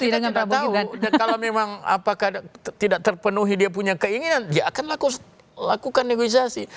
dan kita tidak tahu kalau memang apakah tidak terpenuhi dia punya keinginan dia akan lakukan negosiasi